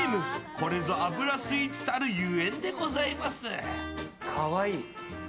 これぞ、脂スイーツたるゆえんでございます。